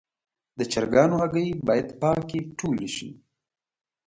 د چرګانو هګۍ باید پاکې ټولې شي.